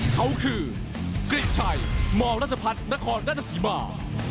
เขาคือกริชัยมรัชพัฒนครราชสีมา